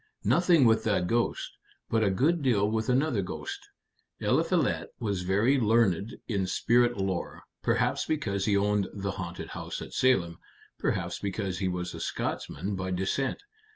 "Nothing with that ghost, but a good deal with another ghost. Eliphalet was very learned in spirit lore perhaps because he owned the haunted house at Salem, perhaps because he was a Scotchman by descent.